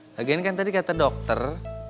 begini kan tadi kata dokter